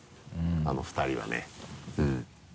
あの２人はね。